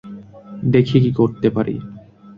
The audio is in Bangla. দেখি কী করতে পারি।